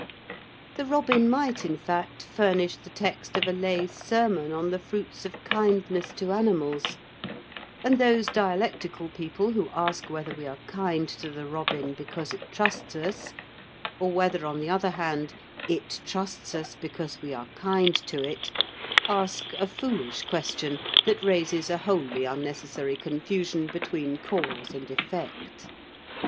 The robin might, in fact, furnish the text of a lay sermon on the fruits of kindness to animals, and those dialectical people who ask whether we are kind to the robin because it trusts us, or whether, on the other hand, it trusts us because we are kind to it, ask a foolish question that raises a wholly unnecessary confusion between cause and effect.